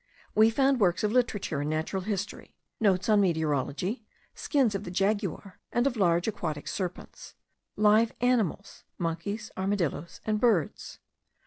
We found works of literature and natural history; notes on meteorology; skins of the jaguar and of large aquatic serpents; live animals, monkeys, armadilloes, and birds.